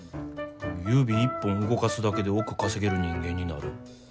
指一本動かすだけで億稼げる人間になる。